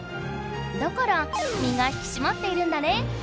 だから身が引きしまっているんだね。